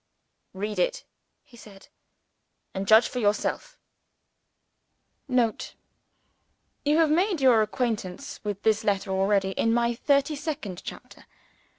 "Read it!" he said; "and judge for yourself." [Note. You have made your acquaintance with this letter already, in my thirty second chapter.